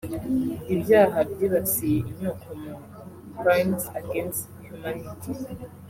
ibyaha byibasiye inyoko muntu (crimes against humanity)